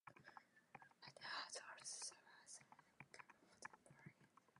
Hatcher has also served as an alternate captain for the Flyers.